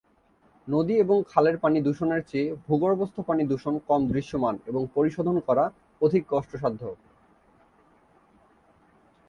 নদী এবং খালের পানি দূষণের চেয়ে ভূগর্ভস্থ পানি দূষণ কম দৃশ্যমান এবং পরিশোধন করা অধিকতর কষ্টসাধ্য।